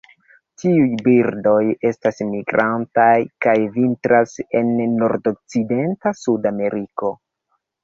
Tiuj birdoj estas migrantaj kaj vintras en nordokcidenta Sudameriko.